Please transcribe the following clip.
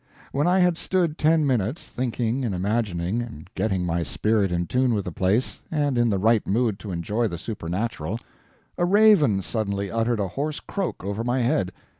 When I had stood ten minutes, thinking and imagining, and getting my spirit in tune with the place, and in the right mood to enjoy the supernatural, a raven suddenly uttered a horse croak over my head.